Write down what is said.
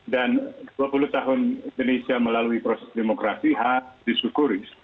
dan dua puluh tahun indonesia melalui proses demokrasi harus disyukuri